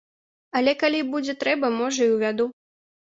Але калі будзе трэба, можа, і ўвяду.